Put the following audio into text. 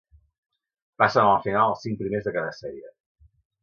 Passen a la final els cinc primers de cada sèrie.